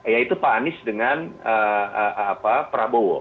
yaitu pak anies dengan prabowo